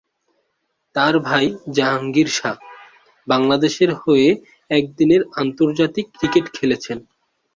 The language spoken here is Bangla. তার ভাই জাহাঙ্গীর শাহ, বাংলাদেশের হয়ে একদিনের আন্তর্জাতিক ক্রিকেট খেলেছেন।